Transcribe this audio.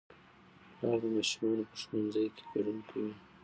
پلار د ماشومانو په ښوونځي کې ګډون کوي